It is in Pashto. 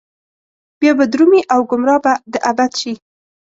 بيا به درومي او ګمراه به د ابد شي